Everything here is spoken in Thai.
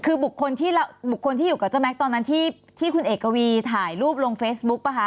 คือบุคคลที่บุคคลที่อยู่กับเจ้าแม็กซ์ตอนนั้นที่คุณเอกวีถ่ายรูปลงเฟซบุ๊กป่ะคะ